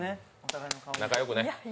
仲よくね。